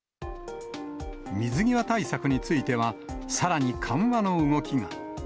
水際対策については、さらに緩和の動きが。